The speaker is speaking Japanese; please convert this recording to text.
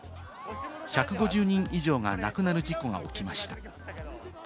１５０人以上が亡くなる事故が起きました。